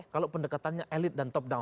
kalau pendekatannya elit dan top down